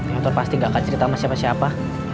motor pasti gak akan cerita sama siapa siapa